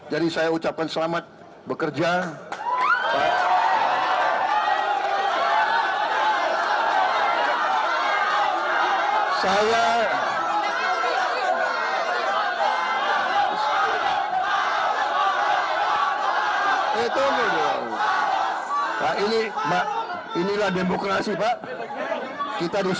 jadi saya ucapkan selamat bekerja